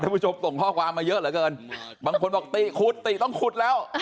ผู้ชมส่งข้อความมาเยอะเหลือเกินบางคนบอกติขุดติต้องขุดแล้ว